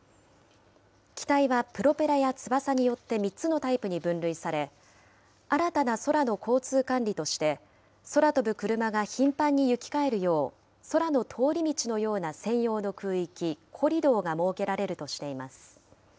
機体はプロペラや翼によって３つのタイプに分類され、新たな空の交通管理として、空飛ぶクルマが頻繁に行き交えるよう、空の通り道のような専用の空域、コリドーが設けられるとしています。